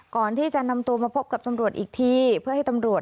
ก่อนที่จะนำตัวมาพบกับตำรวจอีกที